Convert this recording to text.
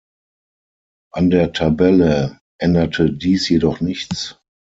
An der Tabelle änderte dies jedoch nichts.